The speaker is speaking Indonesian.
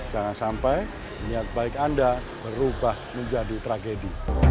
jangan sampai niat baik anda berubah menjadi tragedi